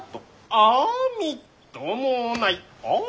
あみっともない。